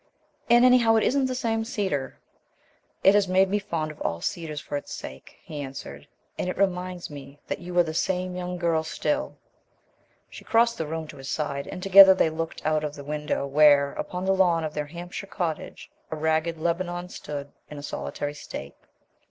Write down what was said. "And anyhow it isn't the same cedar." "It has made me fond of all cedars for its sake," he answered, "and it reminds me that you are the same young girl still " She crossed the room to his side, and together they looked out of the window where, upon the lawn of their Hampshire cottage, a ragged Lebanon stood in a solitary state.